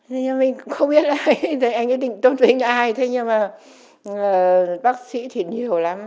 thế nhưng mình cũng không biết anh ấy định tôn vinh ai thế nhưng mà bác sĩ thì nhiều lắm